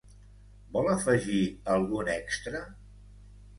Vol afegir algun extra?